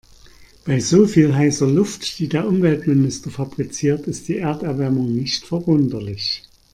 Bei so viel heißer Luft, die der Umweltminister fabriziert, ist die Erderwärmung nicht verwunderlich.